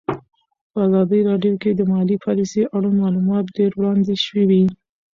په ازادي راډیو کې د مالي پالیسي اړوند معلومات ډېر وړاندې شوي.